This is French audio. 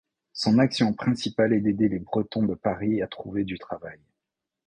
Son action principale est d'aider les Bretons de Paris à trouver du travail.